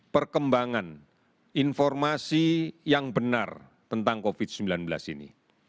perkembangan informasi yang benar tentang covid sembilan belas ini